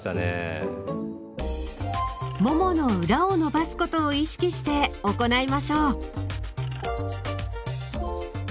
ももの裏を伸ばすことを意識して行いましょう。